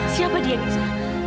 siapa dia lisa